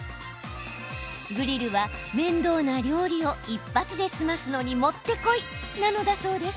グリルは面倒な料理をイッパツで済ますのにもってこいなのだそうです。